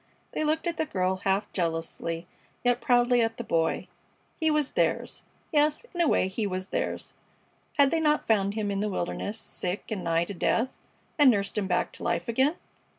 They looked at the girl half jealously, yet proudly at the Boy. He was theirs yes, in a way he was theirs had they not found him in the wilderness, sick and nigh to death, and nursed him back to life again?